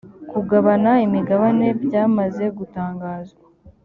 kugabana imigabane byamaze gutangazwa .